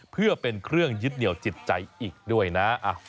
เพื่อเป็นเครื่องยึดเหนียวจิตใจอีกด้วยนะ